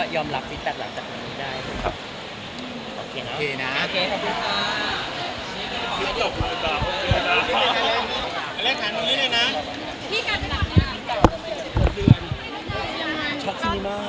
ชักซีนีมา